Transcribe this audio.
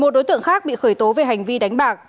một mươi một đối tượng khác bị khởi tố về hành vi đánh bạc